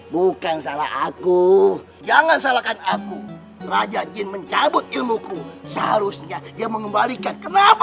bukan salah aku jangan salahkan aku raja jin mencabut ilmuku seharusnya dia mengembalikan kenapa